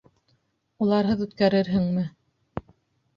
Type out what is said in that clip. Уларһыҙ үткәрерһеңме?